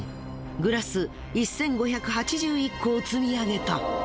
グラス１，５８１個を積み上げた。